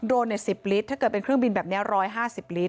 โรน๑๐ลิตรถ้าเกิดเป็นเครื่องบินแบบนี้๑๕๐ลิตร